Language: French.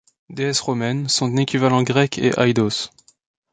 Déesse romaine, son équivalent grec est Aidos.